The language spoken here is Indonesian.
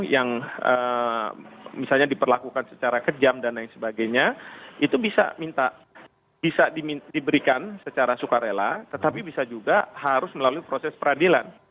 yang misalnya diperlakukan secara kejam dan lain sebagainya itu bisa diberikan secara sukarela tetapi bisa juga harus melalui proses peradilan